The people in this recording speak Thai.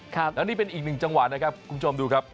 แล้วนี่เป็นอีกหนึ่งจังหวะนะครับคุณผู้ชมดูครับ